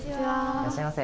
いらっしゃいませ。